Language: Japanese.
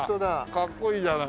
かっこいいじゃない。